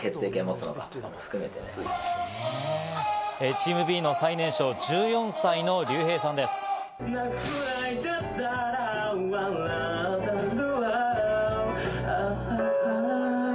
チームＢの最年少、１４歳のリュウヘイさんです。